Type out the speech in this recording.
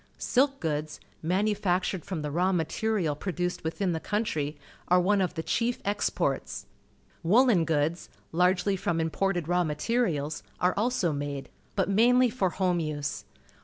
Silk goods, manu factured from the raw material produced witliin the country, are one of the cliief exports. Woollen goods, largely from im ported raw materials, are also made, but mainly for home use.